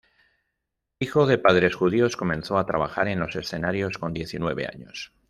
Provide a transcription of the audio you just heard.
Hijo de padres judíos, comenzó a trabajar en los escenarios con diecinueve años.